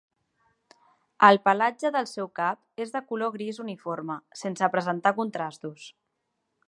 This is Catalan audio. El pelatge del seu cap és de color gris uniforme, sense presentar contrastos.